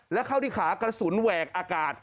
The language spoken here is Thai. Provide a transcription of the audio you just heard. และเข้าที่ขากระสุนแหวกอากาศ